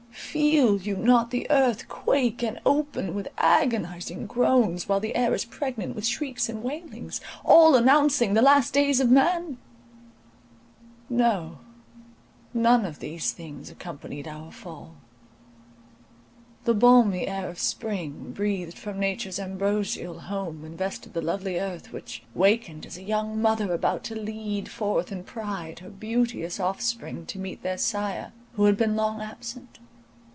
Feel you not the earth quake and open with agonizing groans, while the air is pregnant with shrieks and wailings,— all announcing the last days of man? No! none of these things accompanied our fall! The balmy air of spring, breathed from nature's ambrosial home, invested the lovely earth, which wakened as a young mother about to lead forth in pride her beauteous offspring to meet their sire who had been long absent.